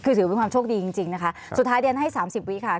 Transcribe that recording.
คือถือว่าเป็นความโชคดีจริงนะคะสุดท้ายเรียนให้๓๐วิค่ะ